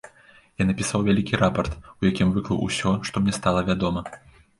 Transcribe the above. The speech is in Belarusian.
Я напісаў вялікі рапарт, у якім выклаў усё, што мне стала вядома.